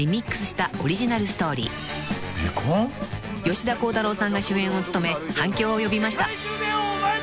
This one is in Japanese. ［吉田鋼太郎さんが主演を務め反響を呼びました］